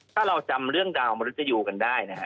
ถ้าเราจำเรื่องดาวมนุษยูกันได้นะฮะ